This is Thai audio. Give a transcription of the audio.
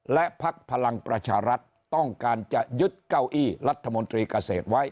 และพักพลังประชารัฐต้องการจะยึดเก้าอี้รัฐมนตรีเกษตรไว้